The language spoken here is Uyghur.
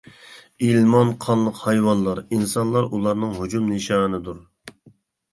ئىلمان قانلىق ھايۋانلار، ئىنسانلار ئۇلارنىڭ ھۇجۇم نىشانىدۇر.